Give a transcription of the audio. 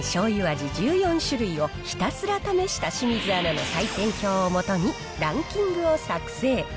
味１４種類をひたすら試した清水アナの採点表をもとに、ランキングを作成。